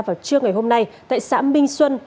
vào trưa ngày hôm nay tại xã minh xuân